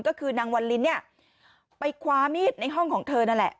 ก็คือนางวันลิ้นเนี่ยไปคว้ามีดในห้องของเธอนั่นแหละ